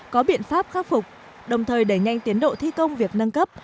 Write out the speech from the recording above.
có biện pháp khắc phục đồng thời đẩy nhanh tiến độ thi công việc nâng cấp